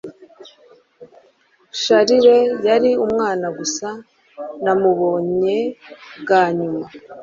Charlie yari umwana gusa namubonye bwa nyuma